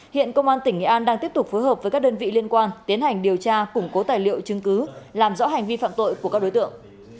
hiện công an tỉnh nghệ an đang tiếp tục phối hợp với các đơn vị liên quan tiến hành điều tra củng cố tài liệu chứng cứ làm rõ hành vi phạm tội của các đối tượng